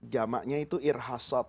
jamaahnya itu irhasat